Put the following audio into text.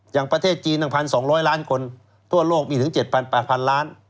อย่างประเทศจีนตั้ง๑๒๐๐ล้านคนทั่วโลกมีถึง๗๘๐๐๐ล้าน